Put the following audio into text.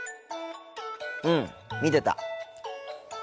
うん見てた。